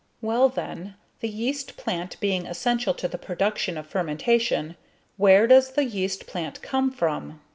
Well, then, the yeast plant being essential to the production of fermentation, where does the yeast plant come from?